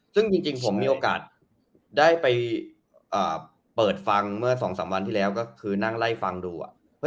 ซึ่งจริงผมมีโอกาสได้ไปเปิดฟังเมื่อ๒๓วันที่แล้วก็คือนั่งไล่ฟังดู